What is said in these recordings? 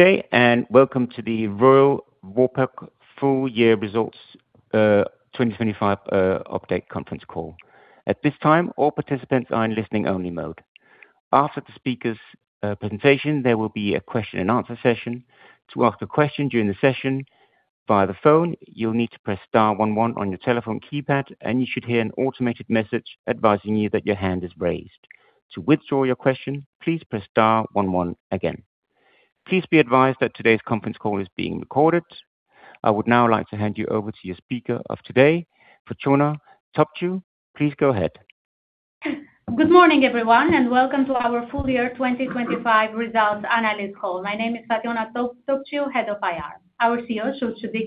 Good day, welcome to the Royal Vopak Full Year Results, 2025, update conference call. At this time, all participants are in listening-only mode. After the speaker's presentation, there will be a question and answer session. To ask a question during the session via the phone, you'll need to press star 11 on your telephone keypad, and you should hear an automated message advising you that your hand is raised. To withdraw your question, please press star 11 again. Please be advised that today's conference call is being recorded. I would now like to hand you over to your speaker of today, Fatjona Topciu. Please go ahead. Good morning, everyone, welcome to our full year 2025 results analyst call. My name is Fatjona Topciu, Head of IR. Our CEO,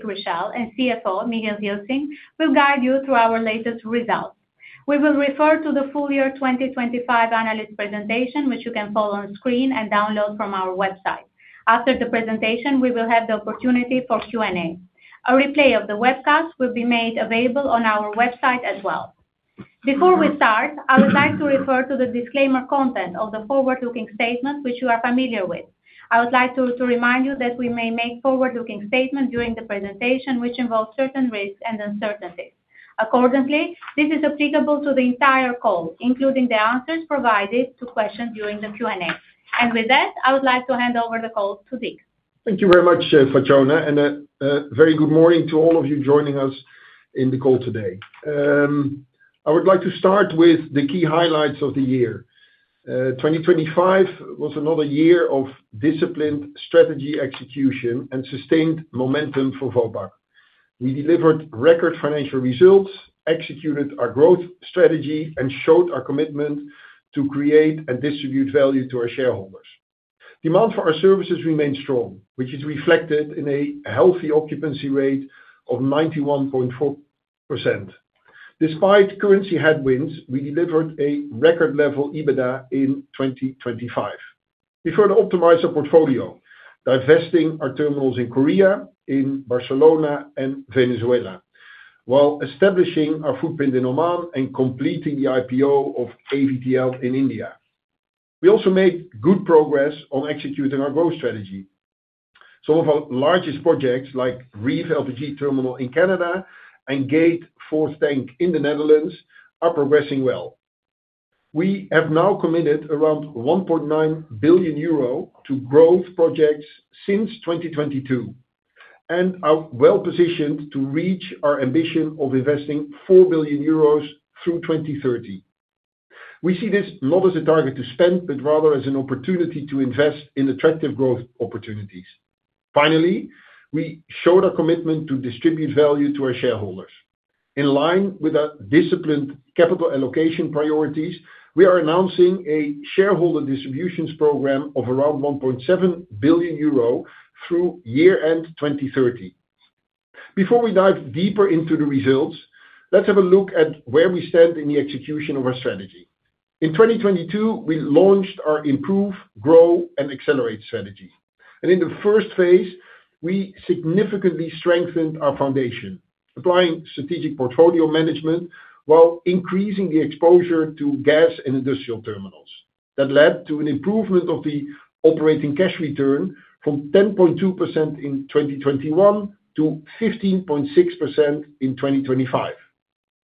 Richelle, and CFO, Michiel Gilsing, will guide you through our latest results. We will refer to the full year 2025 analyst presentation, which you can follow on screen and download from our website. After the presentation, we will have the opportunity for Q&A. A replay of the webcast will be made available on our website as well. Before we start, I would like to refer to the disclaimer content of the forward-looking statement, which you are familiar with. I would like to remind you that we may make forward-looking statements during the presentation, which involve certain risks and uncertainties. This is applicable to the entire call, including the answers provided to questions during the Q&A. With that, I would like to hand over the call to Richelle. Thank you very much, Fatjona, and a very good morning to all of you joining us in the call today. I would like to start with the key highlights of the year. 2025 was another year of disciplined strategy, execution, and sustained momentum for Vopak. We delivered record financial results, executed our growth strategy, and showed our commitment to create and distribute value to our shareholders. Demand for our services remained strong, which is reflected in a healthy occupancy rate of 91.4%. Despite currency headwinds, we delivered a record level EBITDA in 2025. We further optimized our portfolio, divesting our terminals in Korea, in Barcelona and Venezuela, while establishing our footprint in Oman and completing the IPO of AVTL in India. We also made good progress on executing our growth strategy. Some of our largest projects, like REEF LPG Terminal in Canada and Gate four tank in the Netherlands, are progressing well. We have now committed around 1.9 billion euro to growth projects since 2022, and are well positioned to reach our ambition of investing 4 billion euros through 2030. We see this not as a target to spend, but rather as an opportunity to invest in attractive growth opportunities. Finally, we showed our commitment to distribute value to our shareholders. In line with our disciplined capital allocation priorities, we are announcing a shareholder distributions program of around 1.7 billion euro through year-end 2030. Before we dive deeper into the results, let's have a look at where we stand in the execution of our strategy. In 2022, we launched our Improve, Grow and Accelerate strategy, and in the first phase, we significantly strengthened our foundation, applying strategic portfolio management while increasing the exposure to gas and industrial terminals. That led to an improvement of the operating cash return from 10.2% in 2021 to 15.6% in 2025.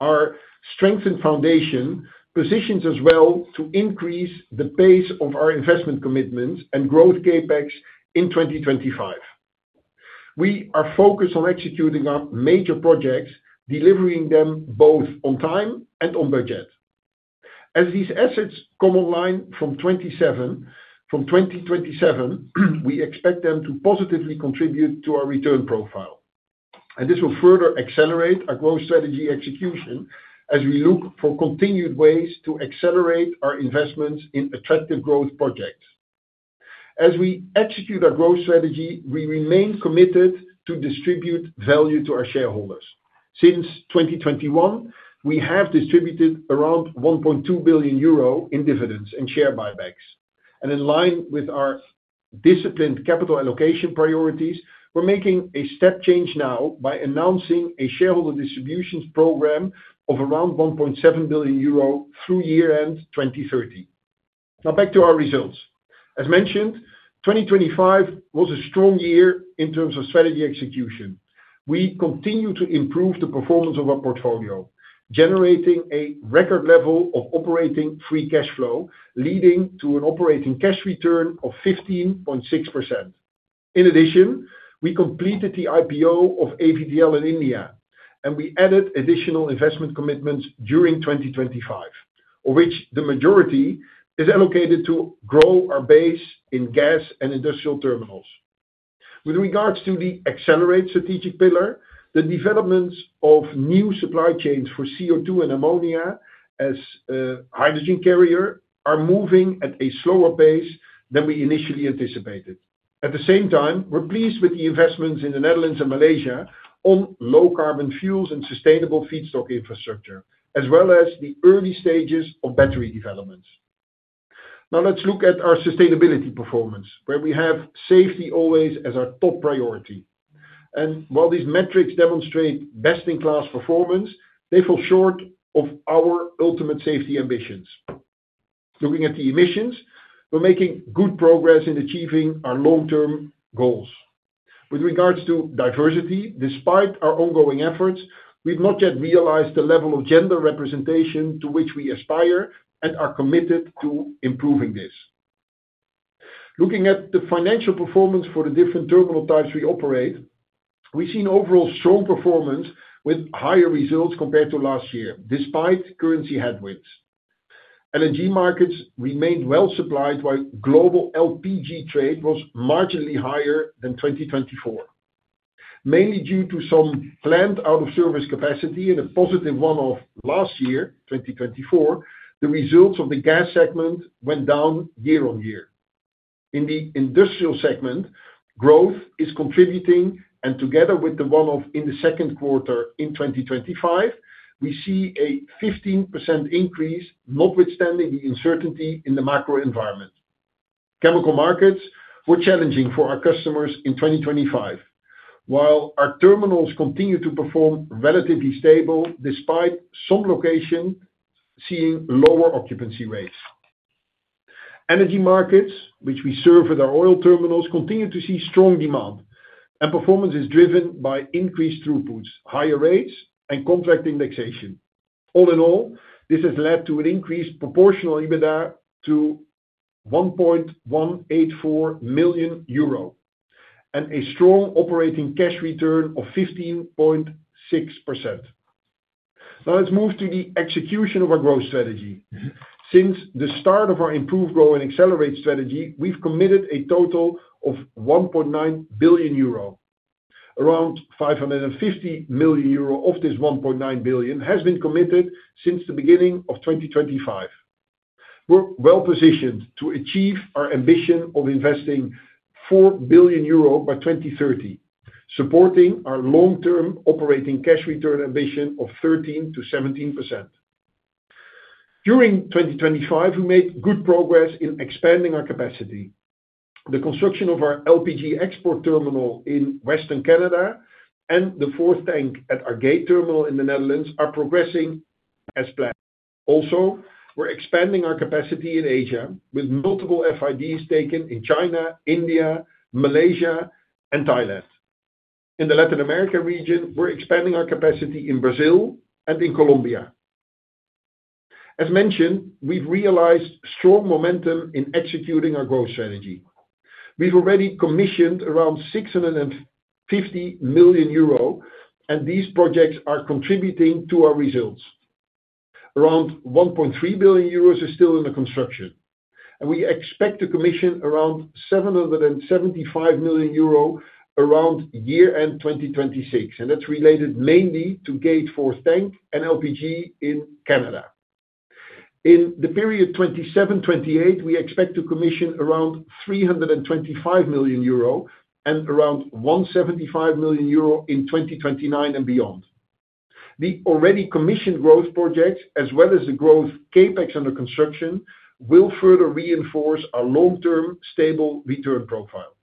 Our strengthened foundation positions us well to increase the pace of our investment commitments and growth CapEx in 2025. We are focused on executing our major projects, delivering them both on time and on budget. As these assets come online from 2027, we expect them to positively contribute to our return profile, and this will further accelerate our growth strategy execution as we look for continued ways to accelerate our investments in attractive growth projects. As we execute our growth strategy, we remain committed to distribute value to our shareholders. Since 2021, we have distributed around 1.2 billion euro in dividends and share buybacks. In line with our disciplined capital allocation priorities, we're making a step change now by announcing a shareholder distributions program of around 1.7 billion euro through year-end 2030. Back to our results. As mentioned, 2025 was a strong year in terms of strategy execution. We continue to improve the performance of our portfolio, generating a record level of operating free cash flow, leading to an operating cash return of 15.6%. In addition, we completed the IPO of AVTL in India, and we added additional investment commitments during 2025, of which the majority is allocated to grow our base in gas and industrial terminals. With regards to the Accelerate strategic pillar, the developments of new supply chains for CO2 and ammonia as hydrogen carrier, are moving at a slower pace than we initially anticipated. At the same time, we're pleased with the investments in the Netherlands and Malaysia on low carbon fuels and sustainable feedstock infrastructure, as well as the early stages of battery developments. Let's look at our sustainability performance, where we have safety always as our top priority. While these metrics demonstrate best-in-class performance, they fall short of our ultimate safety ambitions. Looking at the emissions, we're making good progress in achieving our long-term goals. With regards to diversity, despite our ongoing efforts, we've not yet realized the level of gender representation to which we aspire, and are committed to improving this. Looking at the financial performance for the different terminal types we operate, we've seen overall strong performance with higher results compared to last year, despite currency headwinds. LNG markets remained well supplied, while global LPG trade was marginally higher than 2024. Mainly due to some planned out-of-service capacity and a positive one-off last year, 2024, the results of the gas segment went down year-on-year. In the industrial segment, growth is contributing, and together with the one-off in the second quarter in 2025, we see a 15% increase, notwithstanding the uncertainty in the macro environment. Chemical markets were challenging for our customers in 2025, while our terminals continued to perform relatively stable, despite some location seeing lower occupancy rates. Energy markets, which we serve with our oil terminals, continue to see strong demand, and performance is driven by increased throughputs, higher rates, and contract indexation. All in all, this has led to an increased proportional EBITDA to 1.184 million euro, and a strong operating cash return of 15.6%. Let's move to the execution of our growth strategy. Since the start of our Improve, Grow and Accelerate strategy, we've committed a total of 1.9 billion euro. Around 550 million euro of this 1.9 billion has been committed since the beginning of 2025. We're well positioned to achieve our ambition of investing 4 billion euro by 2030, supporting our long-term operating cash return ambition of 13%-17%. During 2025, we made good progress in expanding our capacity. The construction of our LPG export terminal in Western Canada and the fourth tank at our Gate terminal in the Netherlands are progressing as planned. We're expanding our capacity in Asia with multiple FIDs taken in China, India, Malaysia, and Thailand. In the Latin America region, we're expanding our capacity in Brazil and in Colombia. As mentioned, we've realized strong momentum in executing our growth strategy. We've already commissioned around 650 million euro, and these projects are contributing to our results. Around 1.3 billion euros is still in the construction, and we expect to commission around 775 million euro around year-end 2026, and that's related mainly to Gate four tank and LPG in Canada. In the period 2027, 2028, we expect to commission around 325 million euro and around 175 million euro in 2029 and beyond. The already commissioned growth projects, as well as the growth CapEx under construction, will further reinforce our long-term, stable return profile.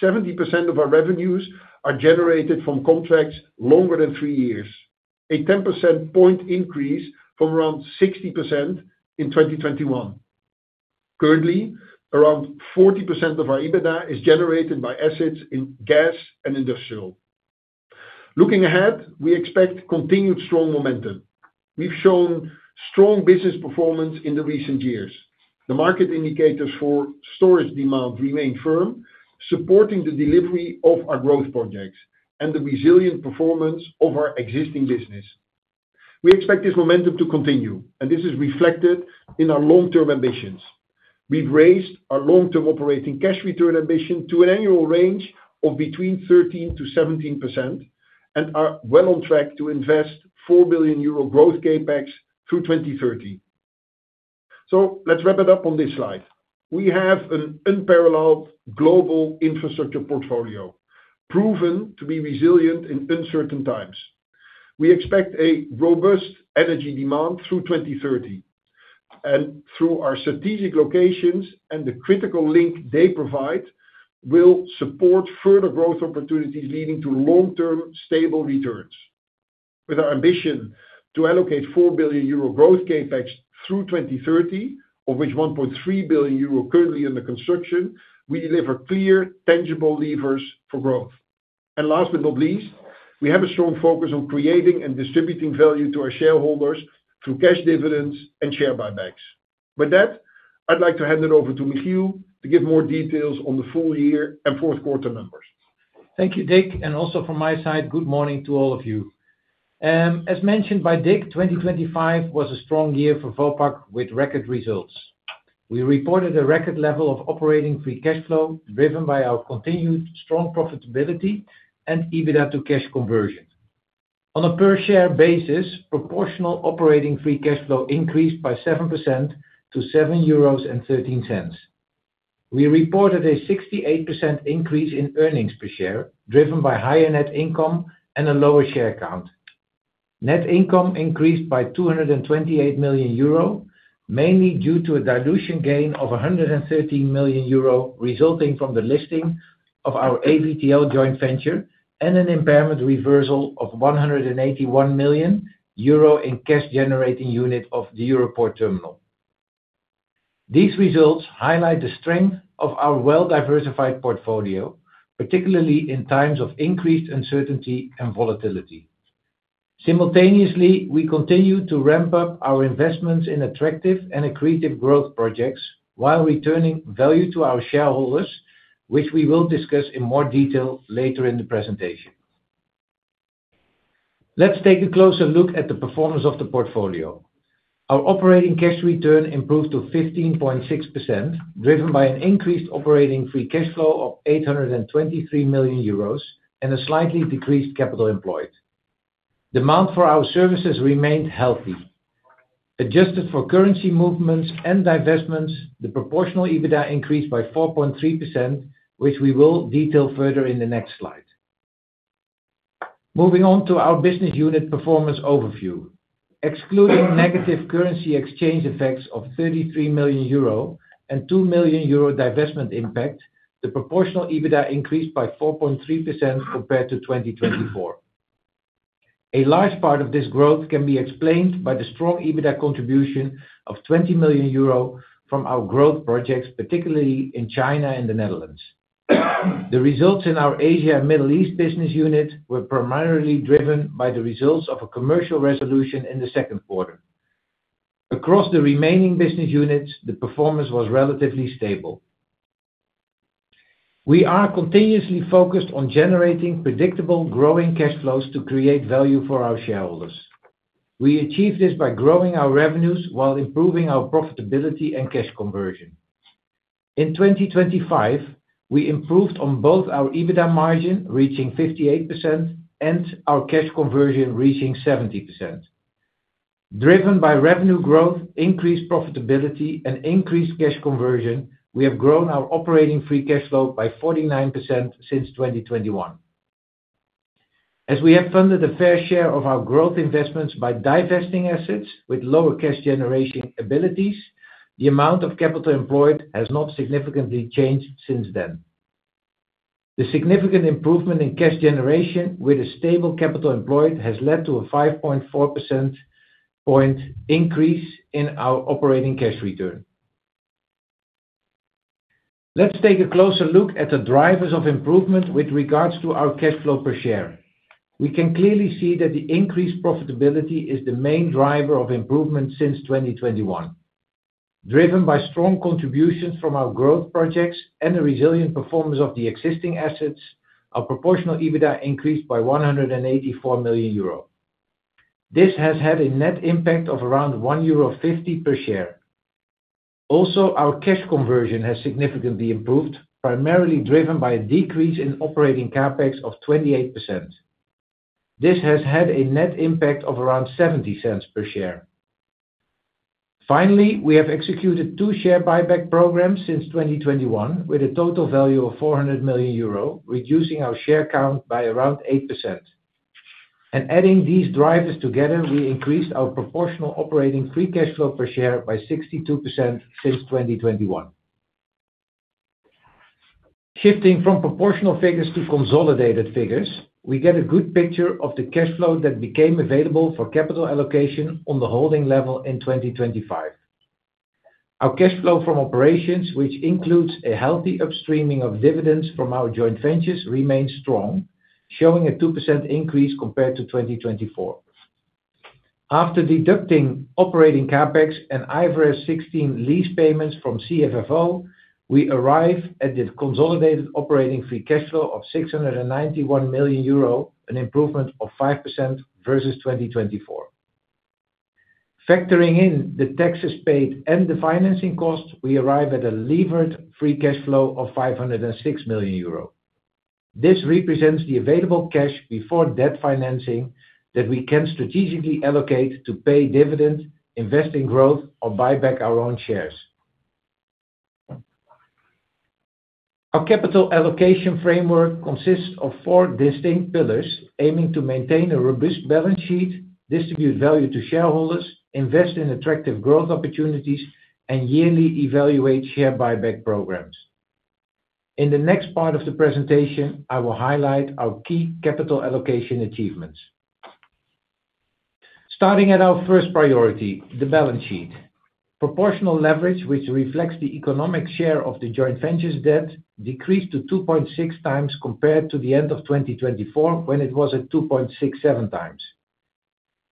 70% of our revenues are generated from contracts longer than 3 years, a 10 percentage point increase from around 60% in 2021. Currently, around 40% of our EBITDA is generated by assets in gas and industrial. Looking ahead, we expect continued strong momentum. We've shown strong business performance in the recent years. The market indicators for storage demand remain firm, supporting the delivery of our growth projects and the resilient performance of our existing business. We expect this momentum to continue, and this is reflected in our long-term ambitions. We've raised our long-term operating cash return ambition to an annual range of between 13%-17%, and are well on track to invest 4 billion euro growth CapEx through 2030. Let's wrap it up on this slide. We have an unparalleled global infrastructure portfolio, proven to be resilient in uncertain times. We expect a robust energy demand through 2030. Through our strategic locations and the critical link they provide, will support further growth opportunities, leading to long-term, stable returns. With our ambition to allocate 4 billion euro growth CapEx through 2030, of which 1.3 billion euro currently under construction, we deliver clear, tangible levers for growth. Last but not least, we have a strong focus on creating and distributing value to our shareholders through cash dividends and share buybacks. With that, I'd like to hand it over to Michiel to give more details on the full year and fourth quarter numbers. Thank you, Richelle, and also from my side, good morning to all of you. As mentioned by Richelle, 2025 was a strong year for Vopak, with record results. We reported a record level of operating free cash flow, driven by our continued strong profitability and EBITDA to cash conversion. On a per-share basis, proportional operating free cash flow increased by 7% to 7.13 euros. We reported a 68% increase in earnings per share, driven by higher net income and a lower share count. Net income increased by 228 million euro, mainly due to a dilution gain of 113 million euro, resulting from the listing of our AVTL joint venture and an impairment reversal of 181 million euro in cash generating unit of the Europort terminal. These results highlight the strength of our well-diversified portfolio, particularly in times of increased uncertainty and volatility. Simultaneously, we continue to ramp up our investments in attractive and accretive growth projects, while returning value to our shareholders, which we will discuss in more detail later in the presentation. Let's take a closer look at the performance of the portfolio. Our operating cash return improved to 15.6%, driven by an increased operating free cash flow of 823 million euros and a slightly decreased capital employed. Demand for our services remained healthy. Adjusted for currency movements and divestments, the proportional EBITDA increased by 4.3%, which we will detail further in the next slide. Moving on to our business unit performance overview. Excluding negative currency exchange effects of 33 million euro and 2 million euro divestment impact, the proportional EBITDA increased by 4.3% compared to 2024. A large part of this growth can be explained by the strong EBITDA contribution of 20 million euro from our growth projects, particularly in China and the Netherlands. The results in our Asia and Middle East business unit were primarily driven by the results of a commercial resolution in the second quarter. Across the remaining business units, the performance was relatively stable. We are continuously focused on generating predictable, growing cash flows to create value for our shareholders. We achieve this by growing our revenues while improving our profitability and cash conversion. In 2025, we improved on both our EBITDA margin, reaching 58%, and our cash conversion, reaching 70%. Driven by revenue growth, increased profitability, and increased cash conversion, we have grown our operating free cash flow by 49% since 2021. As we have funded a fair share of our growth investments by divesting assets with lower cash generation abilities, the amount of capital employed has not significantly changed since then. The significant improvement in cash generation with a stable capital employed has led to a 5.4 percentage point increase in our operating cash return. Let's take a closer look at the drivers of improvement with regards to our cash flow per share. We can clearly see that the increased profitability is the main driver of improvement since 2021. Driven by strong contributions from our growth projects and the resilient performance of the existing assets, our proportional EBITDA increased by 184 million euro. This has had a net impact of around 1.50 euro per share. Also, our cash conversion has significantly improved, primarily driven by a decrease in operating CapEx of 28%. This has had a net impact of around 0.70 per share. Finally, we have executed two share buyback programs since 2021, with a total value of 400 million euro, reducing our share count by around 8%. Adding these drivers together, we increased our proportional operating free cash flow per share by 62% since 2021. Shifting from proportional figures to consolidated figures, we get a good picture of the cash flow that became available for capital allocation on the holding level in 2025. Our cash flow from operations, which includes a healthy upstreaming of dividends from our joint ventures, remains strong, showing a 2% increase compared to 2024. After deducting operating CapEx and IFRS 16 lease payments from CFFO, we arrive at the consolidated operating free cash flow of 691 million euro, an improvement of 5% versus 2024. Factoring in the taxes paid and the financing costs, we arrive at a levered free cash flow of 506 million euro. This represents the available cash before debt financing that we can strategically allocate to pay dividends, invest in growth, or buy back our own shares. Our capital allocation framework consists of four distinct pillars, aiming to maintain a robust balance sheet, distribute value to shareholders, invest in attractive growth opportunities, and yearly evaluate share buyback programs. In the next part of the presentation, I will highlight our key capital allocation achievements. Starting at our first priority, the balance sheet. Proportional leverage, which reflects the economic share of the joint venture's debt, decreased to 2.6 times compared to the end of 2024, when it was at 2.67 times.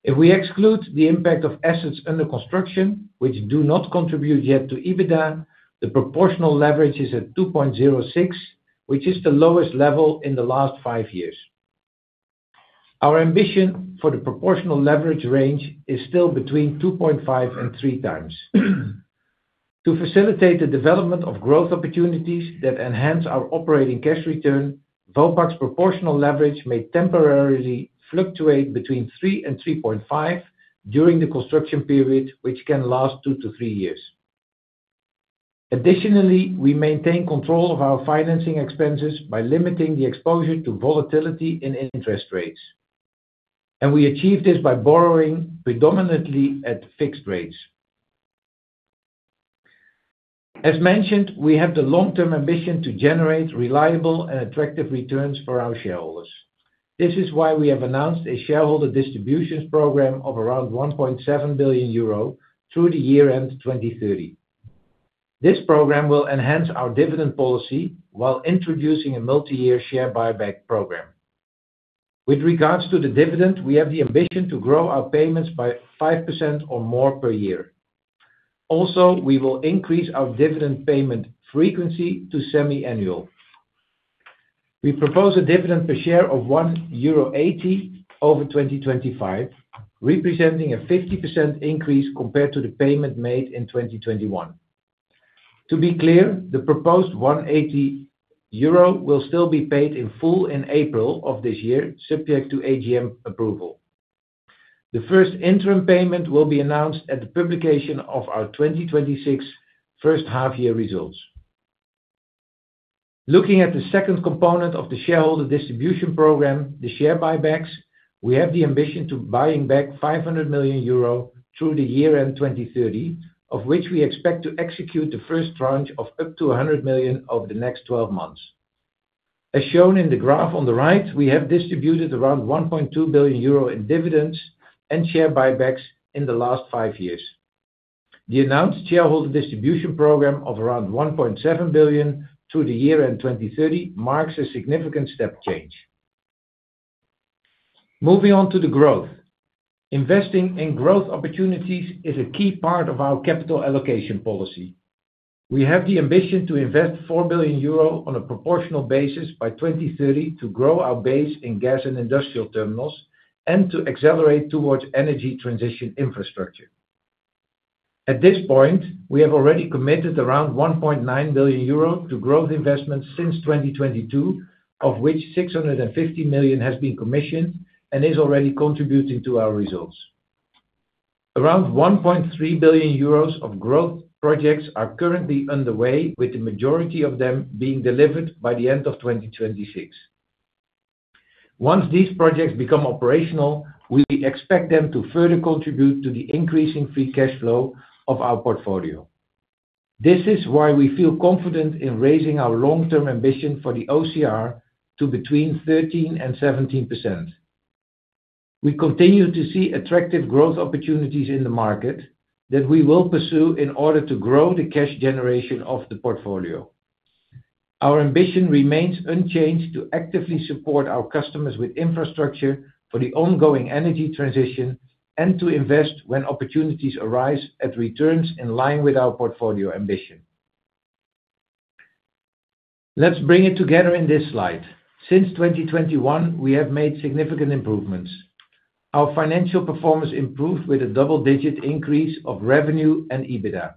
If we exclude the impact of assets under construction, which do not contribute yet to EBITDA, the proportional leverage is at 2.06, which is the lowest level in the last 5 years. Our ambition for the proportional leverage range is still between 2.5 and 3 times. To facilitate the development of growth opportunities that enhance our operating cash return, Vopak's proportional leverage may temporarily fluctuate between 3 and 3.5 during the construction period, which can last 2-3 years. Additionally, we maintain control of our financing expenses by limiting the exposure to volatility in interest rates. We achieve this by borrowing predominantly at fixed rates. As mentioned, we have the long-term ambition to generate reliable and attractive returns for our shareholders. This is why we have announced a shareholder distributions program of around 1.7 billion euro through the year end 2030. This program will enhance our dividend policy while introducing a multi-year share buyback program. With regards to the dividend, we have the ambition to grow our payments by 5% or more per year. We will increase our dividend payment frequency to semi-annual. We propose a dividend per share of 1.80 euro over 2025, representing a 50% increase compared to the payment made in 2021. To be clear, the proposed 1.80 euro will still be paid in full in April of this year, subject to AGM approval. The first interim payment will be announced at the publication of our 2026 first half year results. Looking at the second component of the shareholder distribution program, the share buybacks, we have the ambition to buying back 500 million euro through the year end 2030, of which we expect to execute the first tranche of up to 100 million over the next 12 months. As shown in the graph on the right, we have distributed around 1.2 billion euro in dividends and share buybacks in the last five years. The announced shareholder distribution program of around 1.7 billion through the year end 2030 marks a significant step change. Moving on to the growth. Investing in growth opportunities is a key part of our capital allocation policy. We have the ambition to invest 4 billion euro on a proportional basis by 2030, to grow our base in gas and industrial terminals and to accelerate towards energy transition infrastructure. At this point, we have already committed around 1.9 billion euro to growth investments since 2022, of which 650 million has been commissioned and is already contributing to our results. Around 1.3 billion euros of growth projects are currently underway, with the majority of them being delivered by the end of 2026. Once these projects become operational, we expect them to further contribute to the increasing free cash flow of our portfolio. This is why we feel confident in raising our long-term ambition for the OCR to between 13% and 17%. We continue to see attractive growth opportunities in the market that we will pursue in order to grow the cash generation of the portfolio. Our ambition remains unchanged to actively support our customers with infrastructure for the ongoing energy transition and to invest when opportunities arise at returns in line with our portfolio ambition. Let's bring it together in this slide. Since 2021, we have made significant improvements. Our financial performance improved with a double-digit increase of revenue and EBITDA.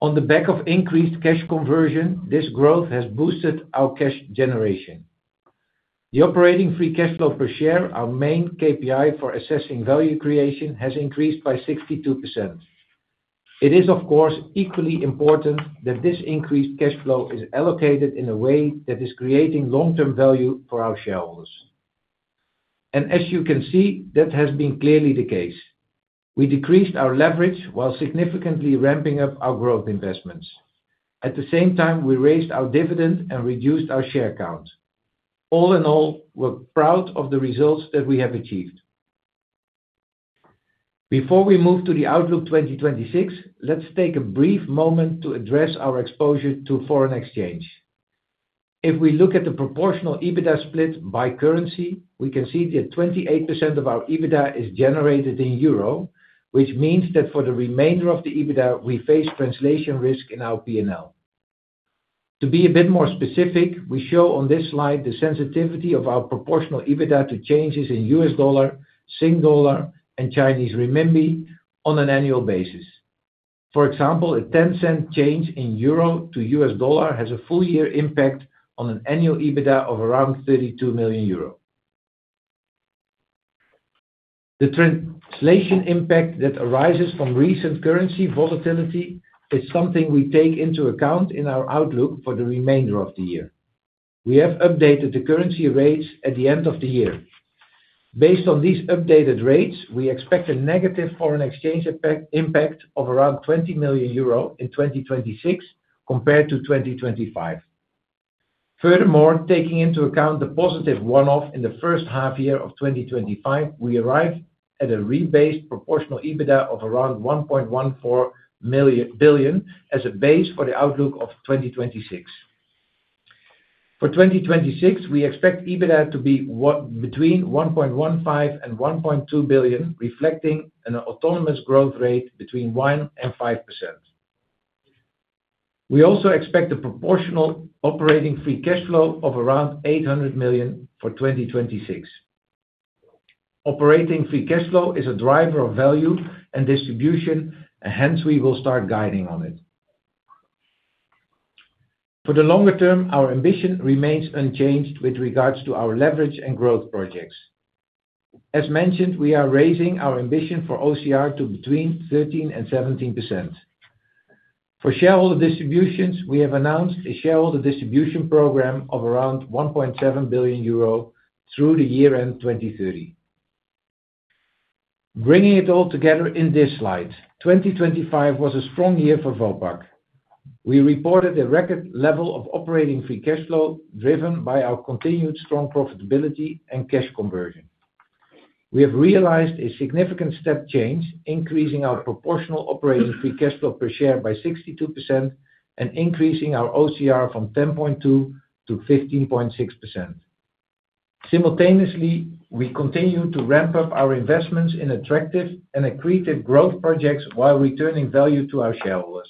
On the back of increased cash conversion, this growth has boosted our cash generation. The operating free cash flow per share, our main KPI for assessing value creation, has increased by 62%. It is, of course, equally important that this increased cash flow is allocated in a way that is creating long-term value for our shareholders. As you can see, that has been clearly the case. We decreased our leverage while significantly ramping up our growth investments. At the same time, we raised our dividend and reduced our share count. All in all, we're proud of the results that we have achieved. Before we move to the Outlook 2026, let's take a brief moment to address our exposure to foreign exchange. If we look at the proportional EBITDA split by currency, we can see that 28% of our EBITDA is generated in Euro, which means that for the remainder of the EBITDA, we face translation risk in our P&L. To be a bit more specific, we show on this slide the sensitivity of our proportional EBITDA to changes in US dollar, Sing dollar, and Chinese renminbi on an annual basis. For example, a 10 cent change in euro to US dollar has a full year impact on an annual EBITDA of around 32 million euro. The translation impact that arises from recent currency volatility is something we take into account in our outlook for the remainder of the year. We have updated the currency rates at the end of the year. Based on these updated rates, we expect a negative foreign exchange effect impact of around 20 million euro in 2026 compared to 2025. Furthermore, taking into account the positive one-off in the first half year of 2025, we arrive at a rebased proportional EBITDA of around 1.14 billion as a base for the outlook of 2026. For 2026, we expect EBITDA to be between 1.15 billion and 1.2 billion, reflecting an autonomous growth rate between 1% and 5%. We also expect a proportional operating free cash flow of around 800 million for 2026. Operating free cash flow is a driver of value and distribution, and hence we will start guiding on it....For the longer term, our ambition remains unchanged with regards to our leverage and growth projects. As mentioned, we are raising our ambition for OCR to between 13% and 17%. For shareholder distributions, we have announced a shareholder distribution program of around 1.7 billion euro through the year-end 2030. Bringing it all together in this slide, 2025 was a strong year for Vopak. We reported a record level of operating free cash flow, driven by our continued strong profitability and cash conversion. We have realized a significant step change, increasing our proportional operating free cash flow per share by 62% and increasing our OCR from 10.2 to 15.6%. Simultaneously, we continue to ramp up our investments in attractive and accretive growth projects while returning value to our shareholders.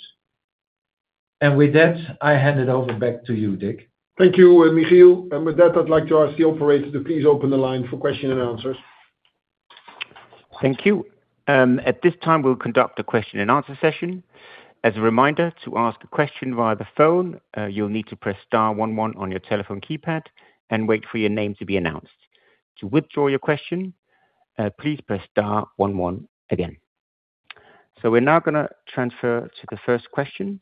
With that, I hand it over back to you, Richelle. Thank you, Michiel. With that, I'd like to ask the operator to please open the line for question and answers. Thank you. At this time, we'll conduct a question and answer session. As a reminder, to ask a question via the phone, you'll need to press star 11 on your telephone keypad and wait for your name to be announced. To withdraw your question, please press star 11 again. We're now gonna transfer to the first question.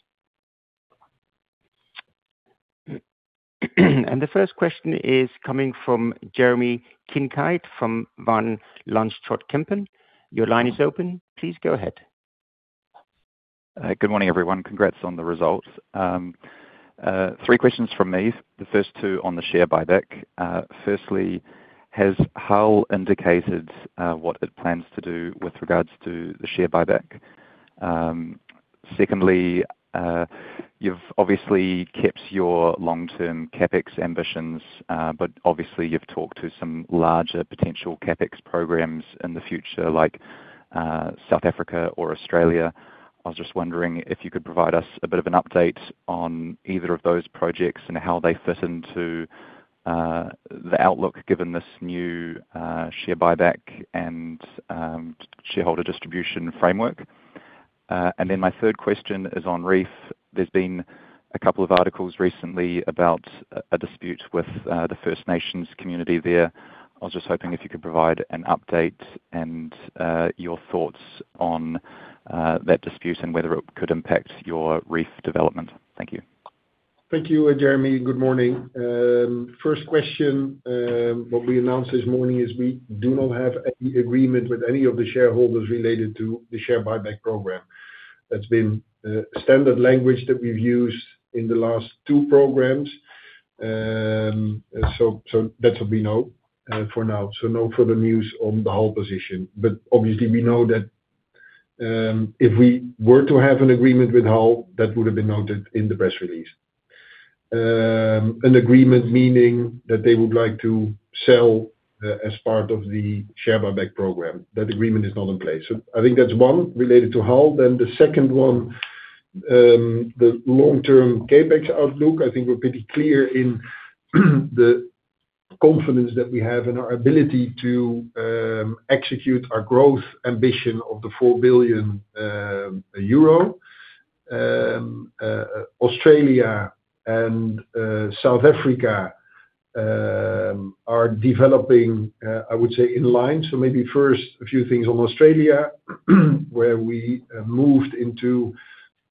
The first question is coming from Jeremy Kincaid from Van Lanschot Kempen. Your line is open. Please go ahead. Good morning, everyone. Congrats on the results. Three questions from me, the first two on the share buyback. Firstly, has HAL indicated what it plans to do with regards to the share buyback? Secondly, you've obviously kept your long-term CapEx ambitions, but obviously you've talked to some larger potential CapEx programs in the future, like South Africa or Australia. I was just wondering if you could provide us a bit of an update on either of those projects and how they fit into the outlook, given this new share buyback and shareholder distribution framework. My third question is on REEF. There's been a couple of articles recently about a dispute with the First Nations community there. I was just hoping if you could provide an update and your thoughts on that dispute and whether it could impact your REEF development. Thank you. Thank you, Jeremy. Good morning. First question, what we announced this morning is we do not have any agreement with any of the shareholders related to the share buyback program. That's been standard language that we've used in the last two programs. That's what we know for now. No further news on the HAL position, but obviously we know that, if we were to have an agreement with HAL, that would have been noted in the press release. An agreement meaning that they would like to sell as part of the share buyback program. That agreement is not in place. I think that's one related to HAL. The second one, the long-term CapEx outlook. I think we're pretty clear in the confidence that we have in our ability to execute our growth ambition of EUR 4 billion. Australia and South Africa are developing, I would say, in line. Maybe first, a few things on Australia, where we moved into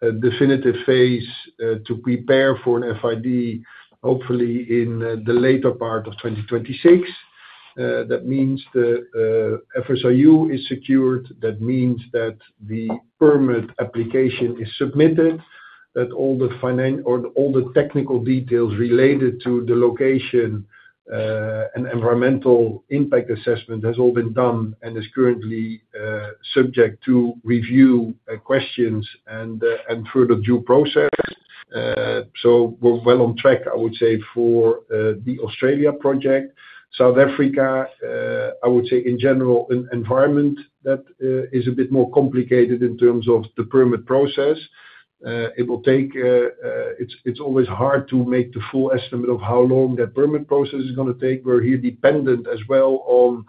a definitive phase to prepare for an FID, hopefully in the later part of 2026. That means the FSRU is secured. That means that the permit application is submitted, that all the technical details related to the location and environmental impact assessment has all been done and is currently subject to review, questions and further due process. We're well on track, I would say, for the Australia project. South Africa, I would say in general, an environment that is a bit more complicated in terms of the permit process. It's always hard to make the full estimate of how long that permit process is gonna take. We're here dependent as well on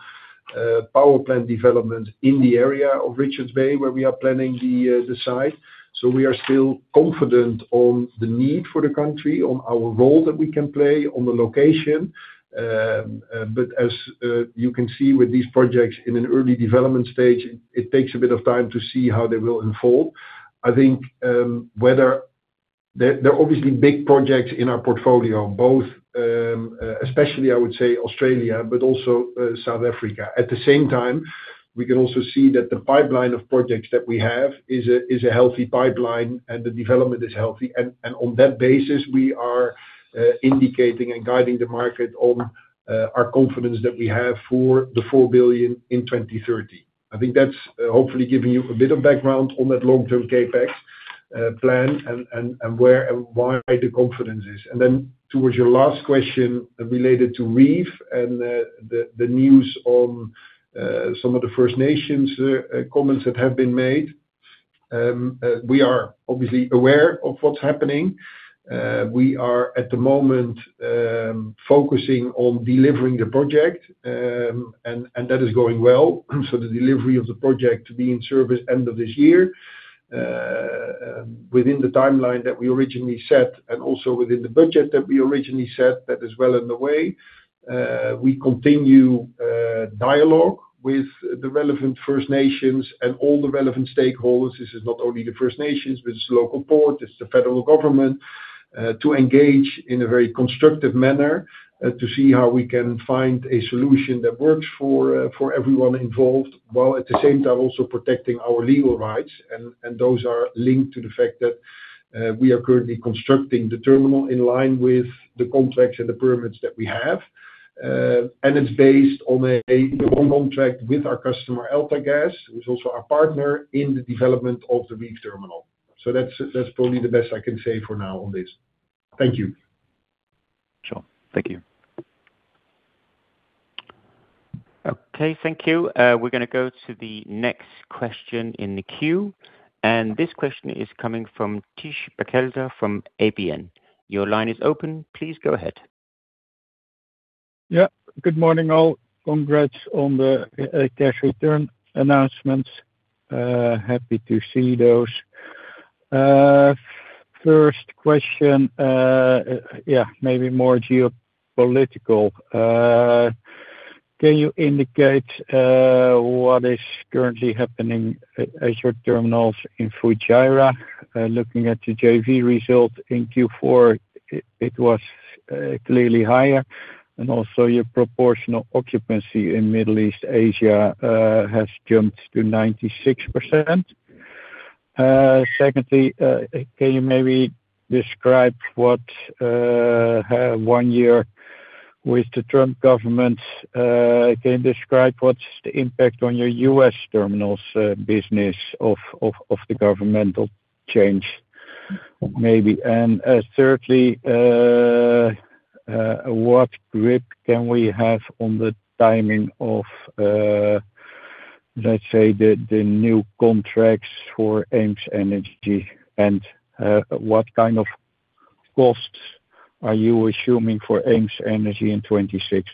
power plant development in the area of Richards Bay, where we are planning the site. We are still confident on the need for the country, on our role that we can play on the location. As you can see with these projects in an early development stage, it takes a bit of time to see how they will unfold. I think, there are obviously big projects in our portfolio, both, especially I would say Australia, but also South Africa. At the same time, we can also see that the pipeline of projects that we have is a healthy pipeline, and the development is healthy. On that basis, we are indicating and guiding the market on our confidence that we have for the 4 billion in 2030. I think that's hopefully giving you a bit of background on that long-term CapEx plan and where and why the confidence is. Towards your last question related to REEF and the news on some of the First Nations comments that have been made. We are obviously aware of what's happening. We are, at the moment, focusing on delivering the project, and that is going well. The delivery of the project to be in service end of this year. within the timeline that we originally set, and also within the budget that we originally set, that is well on the way. We continue dialogue with the relevant First Nations and all the relevant stakeholders. This is not only the First Nations, but it's the local port, it's the federal government, to engage in a very constructive manner, to see how we can find a solution that works for everyone involved, while at the same time also protecting our legal rights. Those are linked to the fact that we are currently constructing the terminal in line with the contracts and the permits that we have. It's based on a contract with our customer, AltaGas, who's also our partner in the development of the REEF terminal. That's probably the best I can say for now on this. Thank you. Sure. Thank you. Okay, thank you. We're gonna go to the next question in the queue. This question is coming from Thijs Berkelder from ABN AMRO. Your line is open, please go ahead. Yeah. Good morning, all. Congrats on the cash return announcements. Happy to see those. First question, yeah, maybe more geopolitical. Can you indicate, what is currently happening at your terminals in Fujairah? Looking at the JV result in Q4, it was clearly higher, and also your proportional occupancy in Middle East Asia, has jumped to 96%. Secondly, can you maybe describe what, 1 year with the Trump government, can you describe what's the impact on your U.S. terminals, business of the governmental change, maybe? Thirdly, what grip can we have on the timing of, let's say, the new contracts for ACE Terminal, and, what kind of costs are you assuming for ACE Terminal in 2026?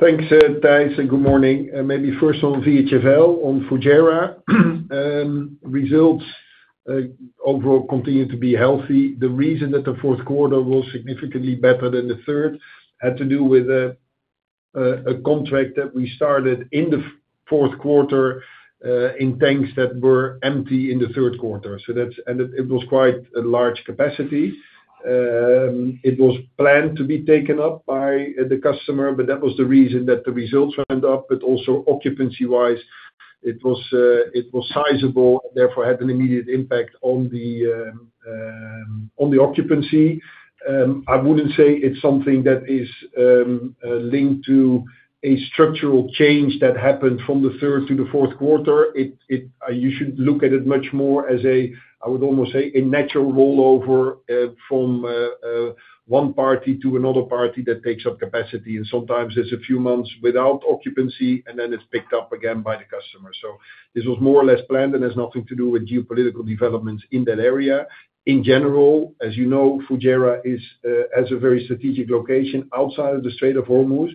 Thanks, Thijs, good morning. Maybe first of all, VHVL on Fujairah. Results overall continue to be healthy. The reason that the fourth quarter was significantly better than the third, had to do with a contract that we started in the fourth quarter, in tanks that were empty in the third quarter. It was quite a large capacity. It was planned to be taken up by the customer, that was the reason that the results went up. Also occupancy-wise, it was sizable, therefore had an immediate impact on the occupancy. I wouldn't say it's something that is linked to a structural change that happened from the third to the fourth quarter. You should look at it much more as a, I would almost say, a natural rollover, from one party to another party that takes up capacity. Sometimes it's a few months without occupancy, and then it's picked up again by the customer. This was more or less planned, and has nothing to do with geopolitical developments in that area. In general, as you know, Fujairah is has a very strategic location outside of the Strait of Hormuz,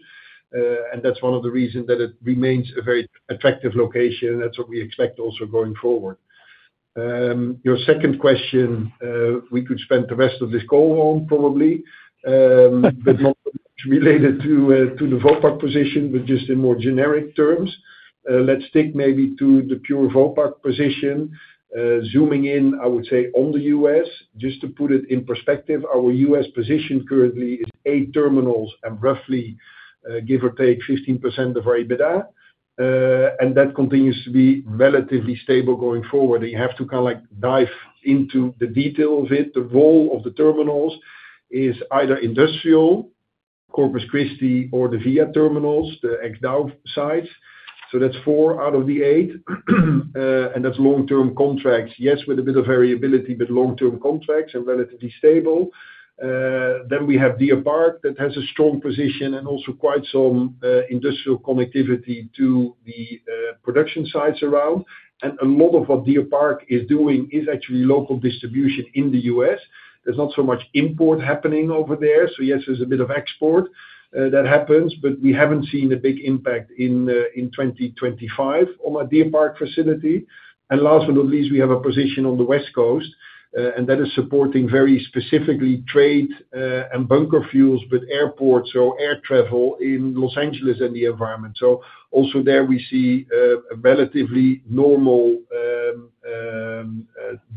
and that's one of the reasons that it remains a very attractive location, and that's what we expect also going forward. Your second question, we could spend the rest of this call on, probably, but not related to the Vopak position, but just in more generic terms. Let's stick maybe to the pure Vopak position. Zooming in, I would say, on the U.S., just to put it in perspective, our U.S. position currently is 8 terminals and roughly, give or take 15% of our EBITDA. That continues to be relatively stable going forward. You have to kind of like dive into the detail of it. The role of the terminals is either industrial, Corpus Christi, or the Via terminals, the ex Dow sites. That's 4 out of the 8. That's long-term contracts, yes, with a bit of variability, but long-term contracts are relatively stable. We have Deer Park, that has a strong position and also quite some industrial connectivity to the production sites around. A lot of what Deer Park is doing is actually local distribution in the U.S. There's not so much import happening over there, yes, there's a bit of export that happens, but we haven't seen a big impact in 2025 on a Deer Park facility. Last but not least, we have a position on the West Coast, and that is supporting very specifically trade and bunker fuels with airports or air travel in Los Angeles and the environment. Also there we see a relatively normal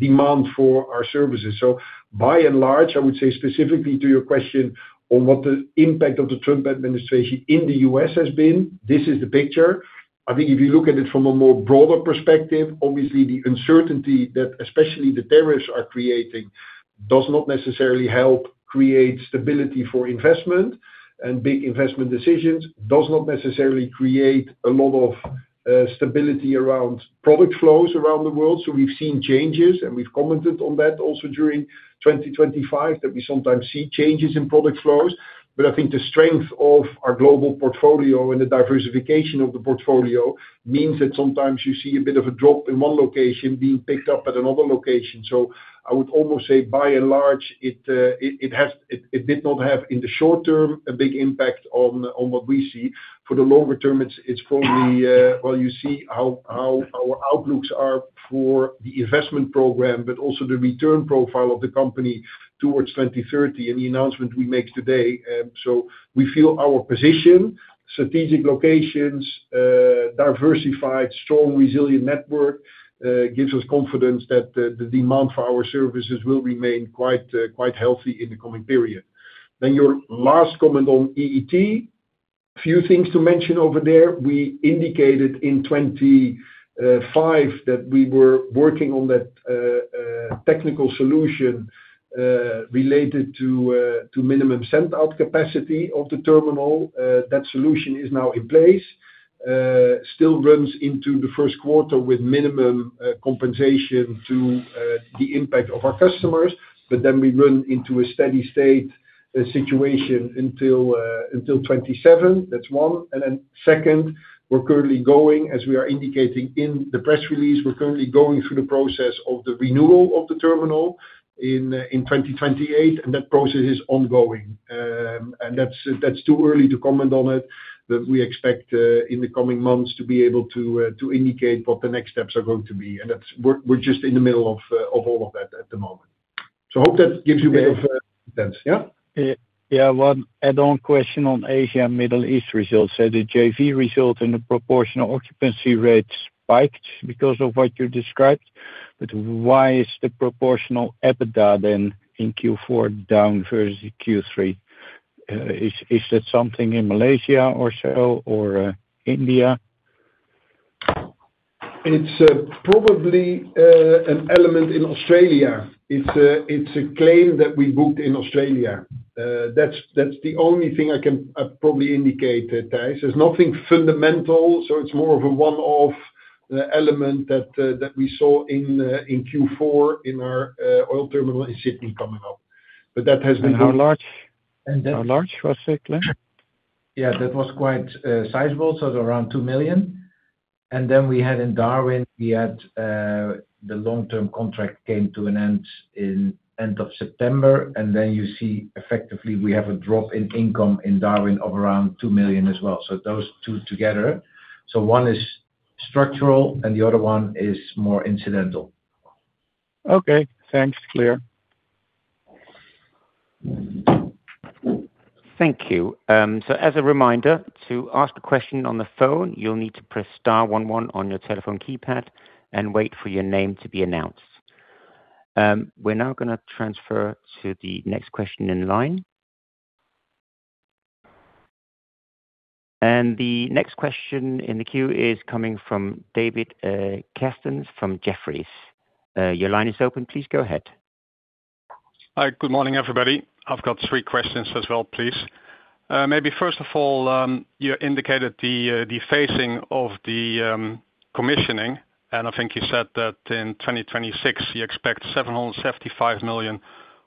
demand for our services. By and large, I would say specifically to your question on what the impact of the Trump Administration in the U.S. has been, this is the picture. I think if you look at it from a more broader perspective, obviously, the uncertainty that especially the tariffs are creating, does not necessarily help create stability for investment, and big investment decisions. Does not necessarily create a lot of stability around product flows around the world. We've seen changes, and we've commented on that also during 2025, that we sometimes see changes in product flows. I think the strength of our global portfolio and the diversification of the portfolio means that sometimes you see a bit of a drop in one location being picked up at another location. I would almost say, by and large, it did not have, in the short term, a big impact on what we see. For the longer term, it's probably, well, you see how our outlooks are for the investment program, but also the return profile of the company towards 2030, and the announcement we make today. We feel our position, strategic locations, diversified, strong, resilient network, gives us confidence that the demand for our services will remain quite healthy in the coming period. Your last comment on EET, a few things to mention over there. We indicated in 25 that we were working on that technical solution related to minimum send-out capacity of the terminal. That solution is now in place. Still runs into the first quarter with minimum compensation to the impact of our customers, we run into a steady state situation until 27. That's one. Second, we're currently going, as we are indicating in the press release, we're currently going through the process of the renewal of the terminal in 2028. That process is ongoing. That's too early to comment on it, but we expect in the coming months to be able to indicate what the next steps are going to be. That's we're just in the middle of all of that at the moment. I hope that gives you a bit of sense. Yeah? Yeah. Yeah, one add-on question on Asia and Middle East results. The JV results and the proportional occupancy rate spiked because of what you described, but why is the proportional EBITDA then in Q4 down versus Q3? Is that something in Malaysia or so or India? It's probably an element in Australia. It's a claim that we booked in Australia. That's the only thing I can probably indicate, Thijs. There's nothing fundamental, so it's more of a one-off element that we saw in Q4, in our oil terminal in Sydney coming up. That has been. How large? How large was that claim? Yeah, that was quite sizable, so around 2 million. We had in Darwin, we had the long-term contract came to an end in end of September, and then you see effectively we have a drop in income in Darwin of around 2 million as well. Those two together. One is structural and the other one is more incidental. Okay, thanks. Clear. Thank you. As a reminder, to ask a question on the phone, you'll need to press star one one on your telephone keypad and wait for your name to be announced. We're now gonna transfer to the next question in line. The next question in the queue is coming from David Kerstens from Jefferies. Your line is open. Please go ahead. Hi, good morning, everybody. I've got 3 questions as well, please. Maybe first of all, you indicated the phasing of the commissioning. I think you said that in 2026 you expect 775 million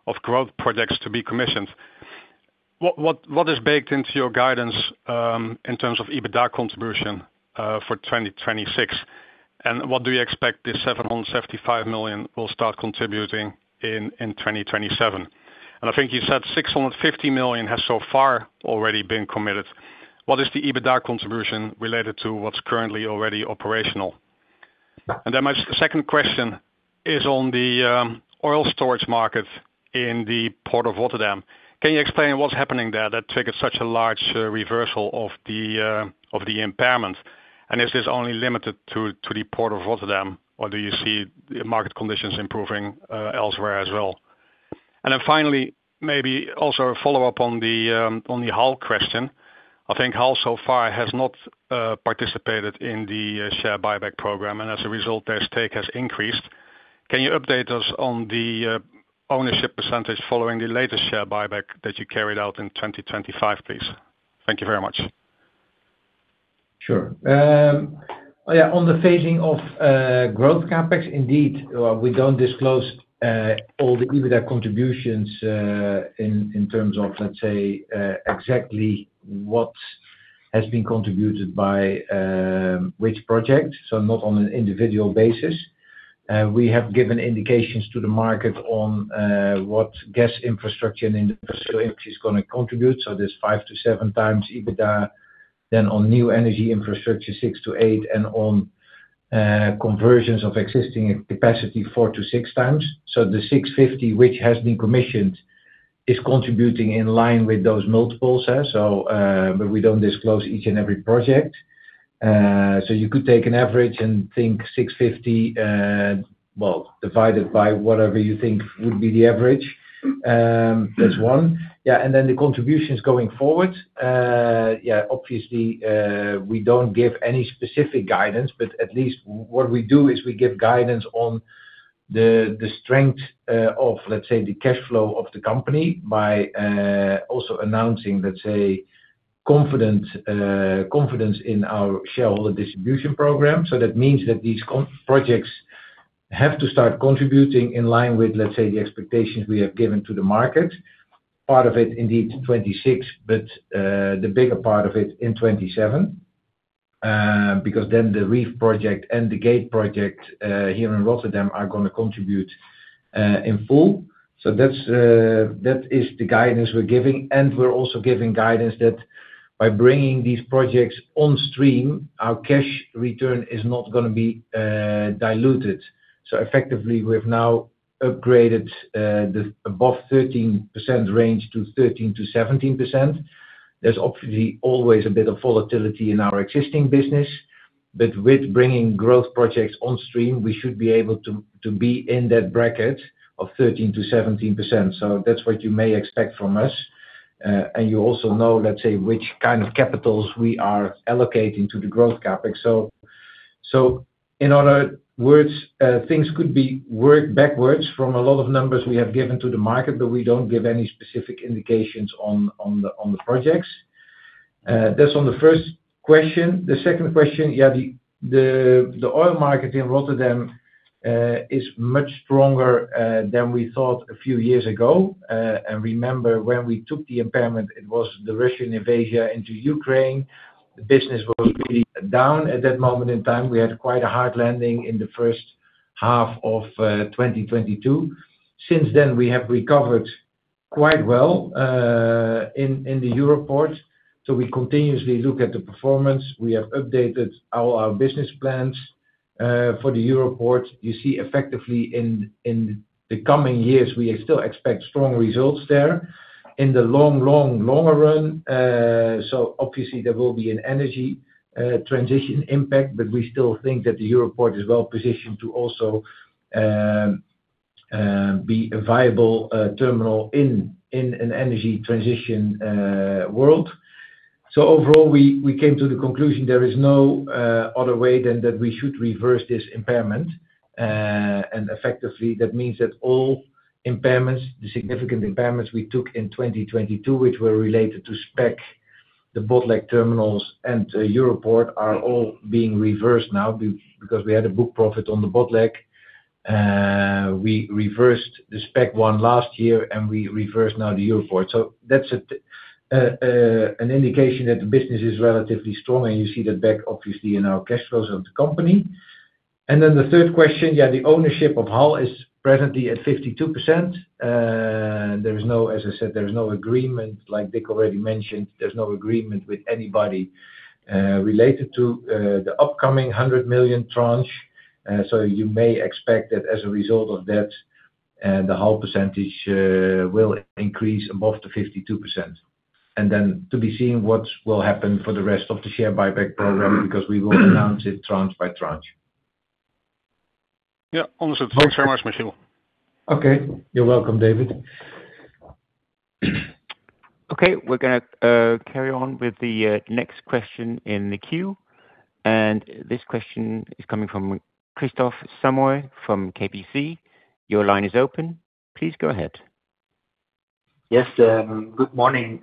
of growth projects to be commissioned. What is baked into your guidance in terms of EBITDA contribution for 2026? What do you expect this 775 million will start contributing in 2027? I think you said 650 million has so far already been committed. What is the EBITDA contribution related to what's currently already operational? My second question is on the oil storage market in the port of Rotterdam. Can you explain what's happening there that triggered such a large reversal of the impairment? Is this only limited to the port of Rotterdam, or do you see the market conditions improving elsewhere as well? Finally, maybe also a follow-up on the HAL question. I think HAL so far has not participated in the share buyback program, and as a result, their stake has increased. Can you update us on the ownership percentage following the latest share buyback that you carried out in 2025, please? Thank you very much. Sure. Yeah, on the phasing of growth CapEx, indeed, we don't disclose all the EBITDA contributions in terms of, let's say, exactly what has been contributed by which project, so not on an individual basis. We have given indications to the market on what gas infrastructure and infrastructure energy is gonna contribute, there's 5-7 times EBITDA. Then on new energy infrastructure, 6-8, and on conversions of existing capacity, 4-6 times. The 650, which has been commissioned, is contributing in line with those multiples. But we don't disclose each and every project. You could take an average and think 650, well, divided by whatever you think would be the average, that's one. Yeah, the contributions going forward, yeah, obviously, we don't give any specific guidance, but at least what we do is we give guidance.... the strength of, let's say, the cash flow of the company by also announcing, let's say, confidence in our shareholder distribution program. These projects have to start contributing in line with, let's say, the expectations we have given to the market. Part of it, indeed, 2026, but the bigger part of it in 2027. Because the REEF project and the Gate project here in Rotterdam are gonna contribute in full. That is the guidance we're giving. We're also giving guidance that by bringing these projects on stream, our cash return is not gonna be diluted. Effectively, we've now upgraded the above 13% range to 13%-17%. There's obviously always a bit of volatility in our existing business, but with bringing growth projects on stream, we should be able to be in that bracket of 13%-17%. That's what you may expect from us. You also know, let's say, which kind of capitals we are allocating to the growth CapEx. In other words, things could be worked backwards from a lot of numbers we have given to the market, but we don't give any specific indications on the projects. That's on the first question. The second question, the oil market in Rotterdam is much stronger than we thought a few years ago. Remember, when we took the impairment, it was the Russian invasion into Ukraine. The business was really down at that moment in time. We had quite a hard landing in the first half of 2022. Since then, we have recovered quite well in the Europort. We continuously look at the performance. We have updated all our business plans for the Europort. You see effectively in the coming years, we still expect strong results there. In the longer run, obviously there will be an energy transition impact, but we still think that the Europort is well positioned to also be a viable terminal in an energy transition world. Overall, we came to the conclusion there is no other way than that we should reverse this impairment. Effectively, that means that all impairments, the significant impairments we took in 2022, which were related to spec, the Botlek terminals and Europort, are all being reversed now because we had a book profit on the Botlek. We reversed the spec one last year, and we reversed now the Europort. That's an indication that the business is relatively strong, and you see that back obviously in our cash flows of the company. The third question, yeah, the ownership of HAL is presently at 52%. There is no, as I said, there is no agreement, like Richelle already mentioned, there's no agreement with anybody, related to the upcoming 100 million tranche. You may expect that as a result of that, the HAL percentage will increase above the 52%. To be seen what will happen for the rest of the share buyback program, because we will announce it tranche by tranche. Yeah. Okay. You're welcome, David. Okay, we're gonna carry on with the next question in the queue. This question is coming from Kristof Samoy from KBC. Your line is open. Please go ahead. Yes, good morning.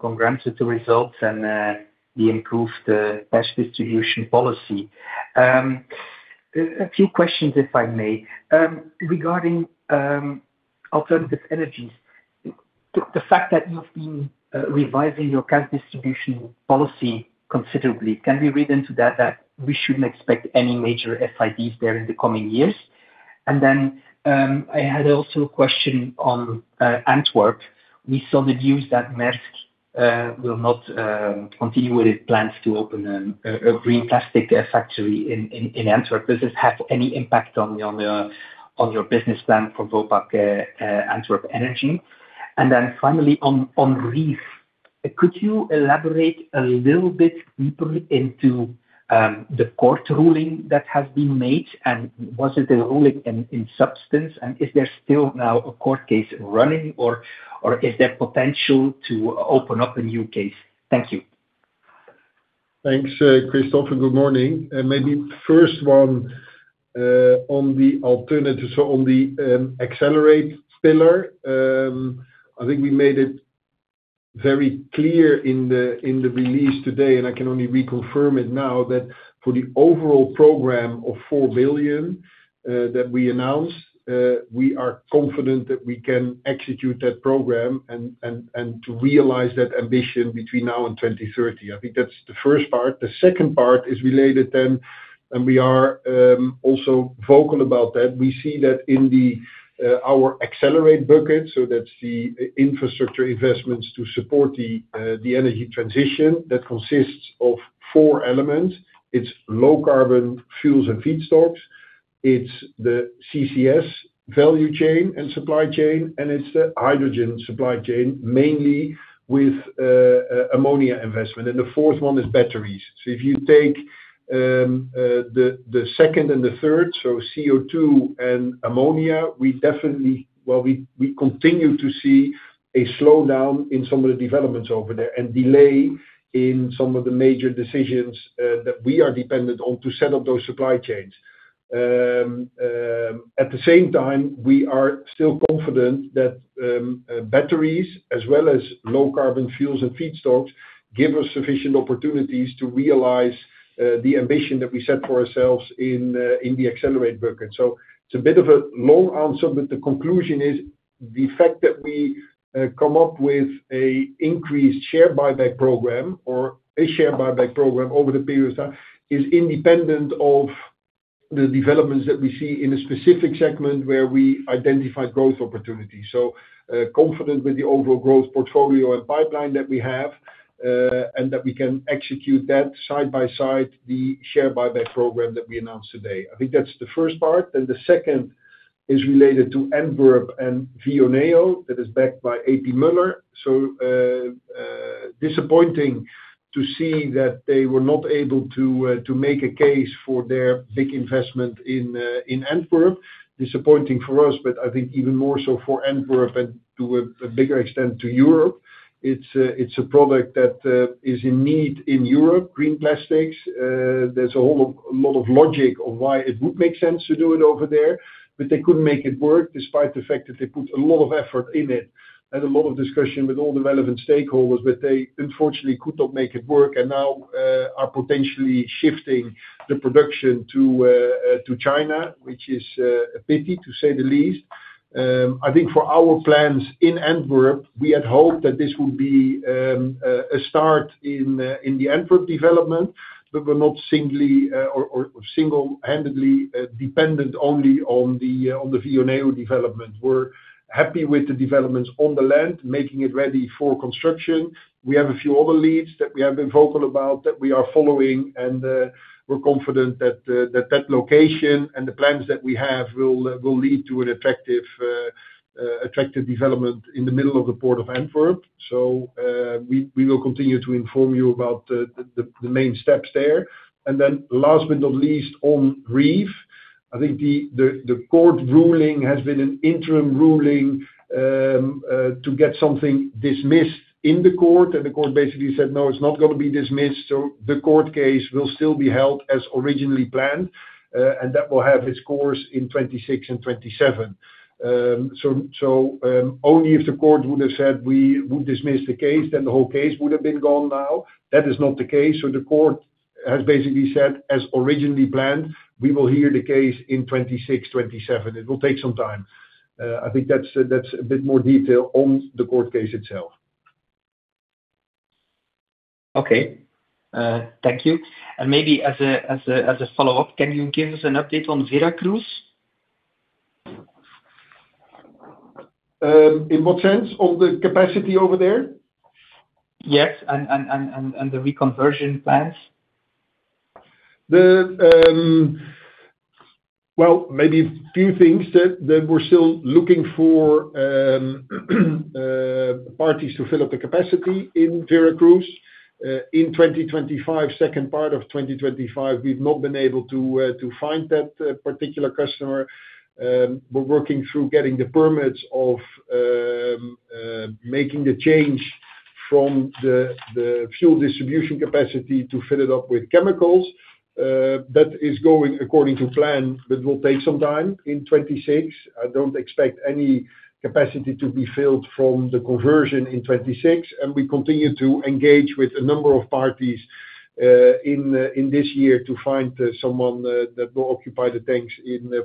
Congrats with the results and the improved cash distribution policy. A few questions, if I may. Regarding alternative energies, the fact that you've been revising your cash distribution policy considerably, can we read into that we shouldn't expect any major FIDs there in the coming years? Then, I had also a question on Antwerp. We saw the news that Maersk will not continue with its plans to open a green plastic factory in Antwerp. Does this have any impact on the on your business plan for Vopak Antwerp Energy? Finally on REEF, could you elaborate a little bit deeper into the court ruling that has been made, and was it a ruling in substance, and is there still now a court case running or is there potential to open up a new case? Thank you. Thanks, Christophe, and good morning. Maybe first one on the alternative, so on the Accelerate pillar, I think we made it very clear in the release today, and I can only reconfirm it now, that for the overall program of 4 billion that we announced, we are confident that we can execute that program and to realize that ambition between now and 2030. I think that's the first part. The second part is related then, and we are also vocal about that. We see that in our Accelerate bucket, that's the infrastructure investments to support the energy transition that consists of four elements: it's low carbon fuels and feedstocks, it's the CCS value chain and supply chain, and it's the hydrogen supply chain, mainly with ammonia investment, and the fourth one is batteries. If you take the second and third, CO2 and ammonia, we continue to see a slowdown in some of the developments over there and delay in some of the major decisions that we are dependent on to set up those supply chains. At the same time, we are still confident that batteries, as well as low carbon fuels and feedstocks, give us sufficient opportunities to realize the ambition that we set for ourselves in the Accelerate bucket. It's a bit of a long answer, but the conclusion is, the fact that we come up with an increased share buyback program or a share buyback program over the period of time, is independent of the developments that we see in a specific segment where we identify growth opportunities. Confident with the overall growth portfolio and pipeline that we have and that we can execute that side by side, the share buyback program that we announced today. I think that's the first part. The second is related to Antwerp and Vibeno, that is backed by A.P. Moller. Disappointing to see that they were not able to make a case for their big investment in Antwerp. Disappointing for us, but I think even more so for Antwerp and to a bigger extent, to Europe. It's a product that is in need in Europe, green plastics. There's a lot of logic of why it would make sense to do it over there, but they couldn't make it work despite the fact that they put a lot of effort in it and a lot of discussion with all the relevant stakeholders, but they unfortunately could not make it work. Now, are potentially shifting the production to China, which is a pity, to say the least. I think for our plans in Antwerp, we had hoped that this would be a start in the Antwerp development, but we're not singly or single-handedly dependent only on the Vibeno development. We're happy with the developments on the land, making it ready for construction. We have a few other leads that we have been vocal about, that we are following, and we're confident that that location and the plans that we have will lead to an effective, attractive development in the middle of the port of Antwerp. We will continue to inform you about the main steps there. Last but not least, on REEF, I think the court ruling has been an interim ruling to get something dismissed in the court, the court basically said, "No, it's not gonna be dismissed." The court case will still be held as originally planned, and that will have its course in 2026 and 2027. Only if the court would have said, "We would dismiss the case," then the whole case would have been gone now. That is not the case. The court has basically said, "As originally planned, we will hear the case in 2026, 2027." It will take some time. I think that's a bit more detail on the court case itself. Thank you. Maybe as a follow-up, can you give us an update on Veracruz? In what sense, on the capacity over there? Yes, the reconversion plans. Maybe a few things, that we're still looking for parties to fill up the capacity in Veracruz. In 2025, second part of 2025, we've not been able to find that particular customer. We're working through getting the permits of making the change from the fuel distribution capacity to fill it up with chemicals. That is going according to plan, but will take some time, in 2026. I don't expect any capacity to be filled from the conversion in 2026. We continue to engage with a number of parties in this year to find someone that will occupy the tanks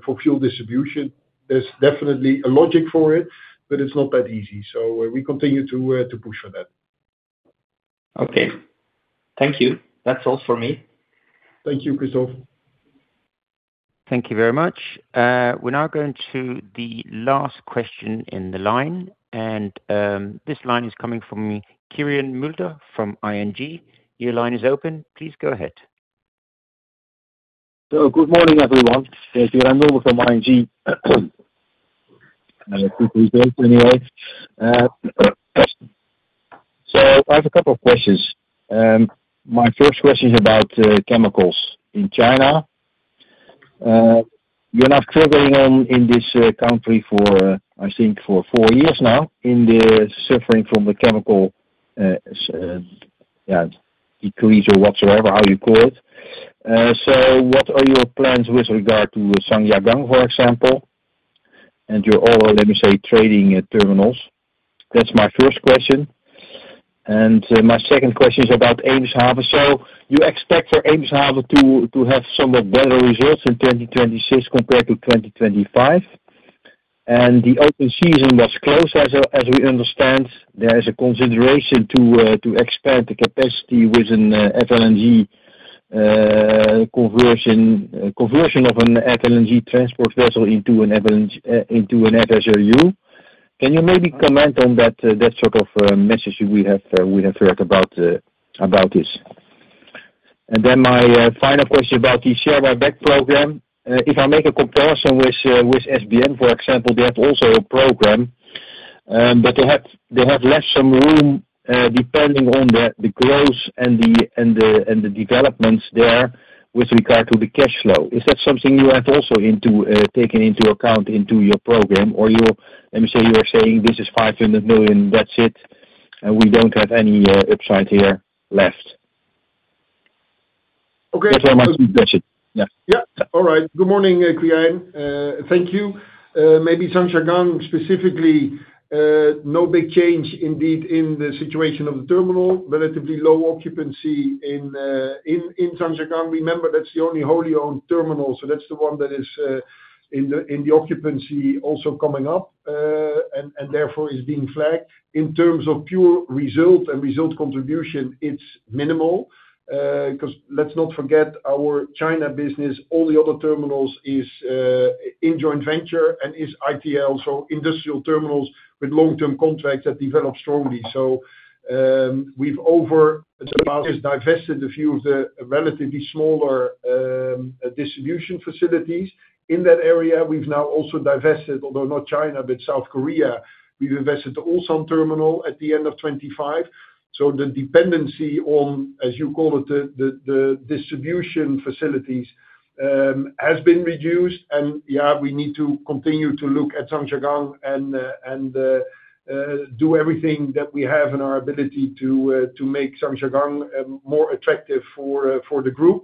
for fuel distribution. There's definitely a logic for it, but it's not that easy, so we continue to push for that. Okay. Thank you. That's all for me. Thank you, Kristof. Thank you very much. We're now going to the last question in the line. This line is coming from Quirijn Mulder from ING. Your line is open. Please go ahead. Good morning, everyone. It's Quirijn Mulder from ING. quickly go anyway. I have a couple of questions. My first question is about chemicals in China. You're now traveling on, in this country for, I think, for 4 years now, in the suffering from the chemical decrease or whatsoever, how you call it. What are your plans with regard to Sangasanga, for example, and your, or let me say, trading terminals? That's my first question. My second question is about Eemshaven. You expect for Eemshaven to have somewhat better results in 2026 compared to 2025. The open season was closed, as we understand, there is a consideration to expand the capacity with an FLNG conversion of an FLNG transport vessel into an FSRU. Can you maybe comment on that sort of message we have heard about this? My final question about the share buyback program. If I make a comparison with SBM Offshore, for example, they have also a program, but they have left some room depending on the growth and the developments there with regard to the cash flow. Is that something you have also taken into account into your program? You, let me say, you are saying this is 500 million, that's it. We don't have any upside here left. Okay. Thank you very much. That's it. Yeah. Yeah. All right. Good morning, Quirijn. Thank you. Maybe some Zhangjiagangng specifically, no big change indeed, in the situation of the terminal. Relatively low occupancy in Zhangjiagangng. Remember, that's the only wholly owned terminal, so that's the one that is in the occupancy also coming up, and therefore is being flagged. In terms of pure result and result contribution, it's minimal, 'cause let's not forget, our China business, all the other terminals is in joint venture and is ITL, so industrial terminals with long-term contracts that develop strongly. We've over- invested, divested a few of the relatively smaller, distribution facilities. In that area we've now also divested, although not China, but South Korea. We've divested also some terminal at the end of 25, so the dependency on, as you call it, the distribution facilities has been reduced. Yeah, we need to continue to look at Zhangjiagangng and do everything that we have in our ability to make Zhangjiagangng more attractive for the group.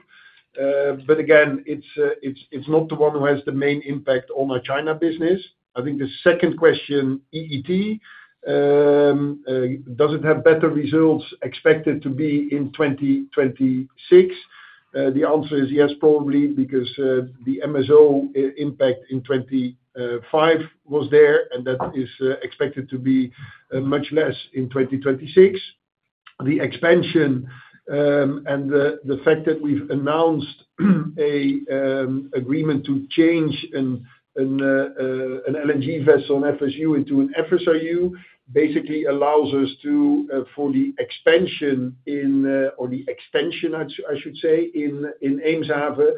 Again, it's not the one who has the main impact on my China business. I think the second question, EET. Does it have better results expected to be in 2026? The answer is yes, probably, because the MSO impact in 2025 was there, and that is expected to be much less in 2026. The expansion, and the fact that we've announced an agreement to change an LNG vessel, an FSU, into an FSRU, basically allows us to, for the expansion in or the extension, I should say, in Eemshaven,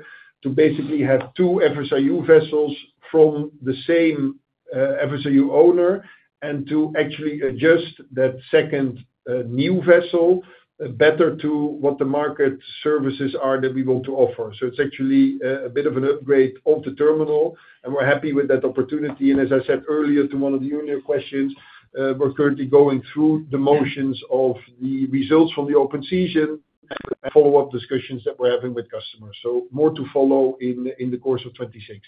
to basically have two FSRU vessels from the same FSRU owner, and to actually adjust that second new vessel better to what the market services are that we want to offer. It's actually a bit of an upgrade of the terminal, and we're happy with that opportunity. As I said earlier to one of the earlier questions, we're currently going through the motions of the results from the open season and follow-up discussions that we're having with customers. More to follow in the course of 2026.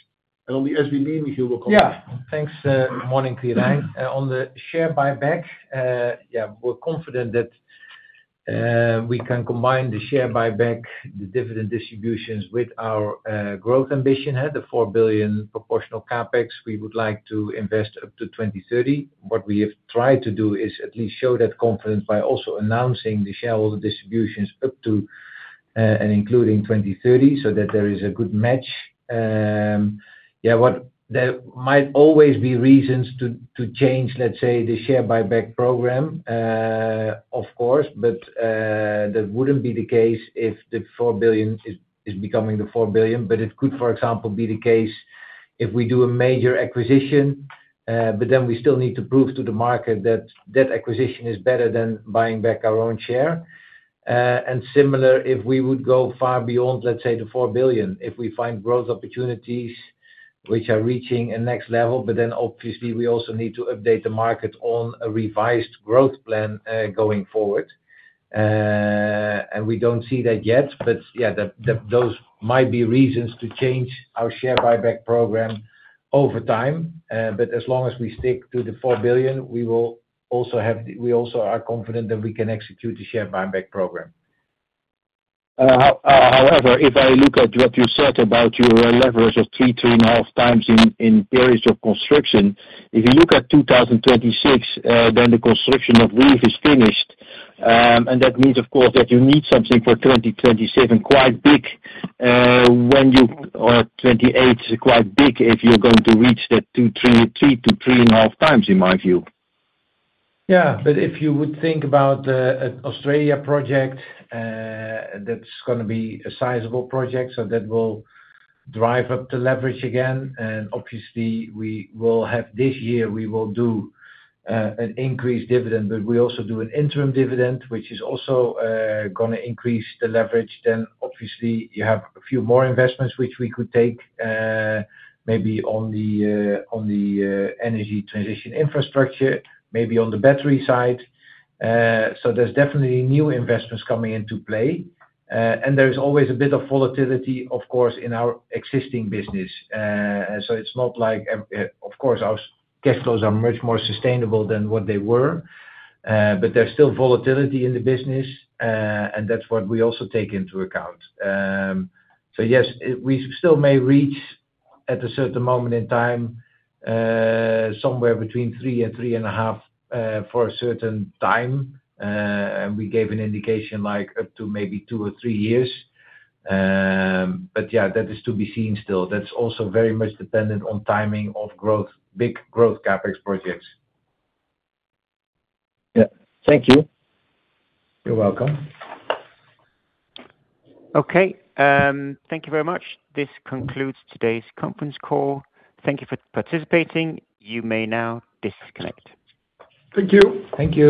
On the SVB, Huib? Yeah. Thanks. Good morning to you, Brian. On the share buyback, yeah, we're confident that we can combine the share buyback, the dividend distributions with our growth ambition, at the 4 billion proportional CapEx, we would like to invest up to 2030. What we have tried to do is at least show that confidence by also announcing the shareholder distributions up to and including 2030, so that there is a good match. Yeah, there might always be reasons to change, let's say, the share buyback program, of course, but that wouldn't be the case if the 4 billion is becoming the 4 billion. It could, for example, be the case if we do a major acquisition, then we still need to prove to the market that that acquisition is better than buying back our own share. Similar, if we would go far beyond, let's say, the 4 billion, if we find growth opportunities which are reaching a next level, obviously we also need to update the market on a revised growth plan going forward. We don't see that yet, yeah, that, those might be reasons to change our share buyback program over time. As long as we stick to the 4 billion, we also are confident that we can execute the share buyback program. However, if I look at what you said about your leverage of 3.5 times in periods of construction, if you look at 2026, then the construction of REEF is finished. That means, of course, that you need something for 2027, quite big, when you or 28, quite big, if you're going to reach that 2, 3 to 3.5 times, in my view. If you would think about an Australia project, that's gonna be a sizable project, so that will drive up the leverage again. This year, we will do an increased dividend, but we also do an interim dividend, which is also gonna increase the leverage. Obviously, you have a few more investments, which we could take maybe on the energy transition infrastructure, maybe on the battery side. There's definitely new investments coming into play. There's always a bit of volatility, of course, in our existing business. It's not like, of course our gas flows are much more sustainable than what they were, but there's still volatility in the business, and that's what we also take into account. Yes, we still may reach, at a certain moment in time, somewhere between 3 and 3.5 for a certain time. We gave an indication, like up to maybe 2 or 3 years. Yeah, that is to be seen still. That's also very much dependent on timing of growth, big growth CapEx projects. Yeah. Thank you. You're welcome. Okay. Thank you very much. This concludes today's conference call. Thank you for participating. You may now disconnect. Thank you. Thank you.